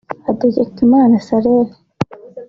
Hategekimana Cyrille